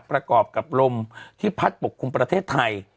ประกอบกับลมที่พัดปกคลุมประเทศไทย